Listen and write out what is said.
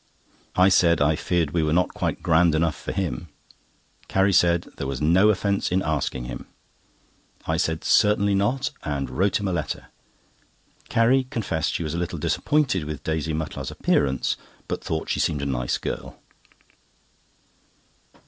I said I feared we were not quite grand enough for him. Carrie said there was "no offence in asking him." I said: "Certainly not," and I wrote him a letter. Carrie confessed she was a little disappointed with Daisy Mutlar's appearance, but thought she seemed a nice girl.